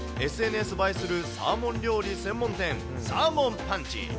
ＳＮＳ映えするサーモン料理専門店、サーモンパンチ。